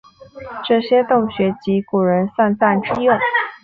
这些洞穴即古人丧葬之用。